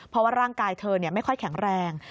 เพราะว่าร่างกายเธอไม่ค่อยแข็งแรง